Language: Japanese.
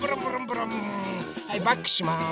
はいバックします。